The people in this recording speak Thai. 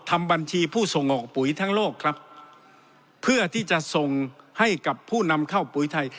ทำบัญชีผู้ส่งออกปุ๋ยทั้งโลกครับเพื่อที่จะส่งให้กับผู้นำเข้าปุ๋ยไทย